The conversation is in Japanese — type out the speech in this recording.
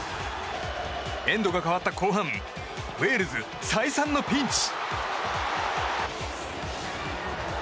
エンドが変わった後半ウェールズ、再三のピンチ。